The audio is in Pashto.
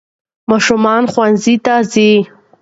ماشومان ښوونځیو ته ځي.